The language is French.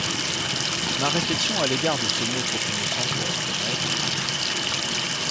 Ma réflexion à l'égard de ce mot trop innocent pour être honnête...